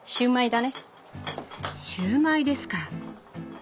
シューマイですか。